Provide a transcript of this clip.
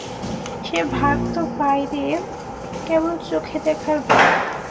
সে ভাগ তো বাইরে, কেবল চোখে দেখার ভাগ।